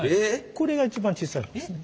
これが一番小さいものですね。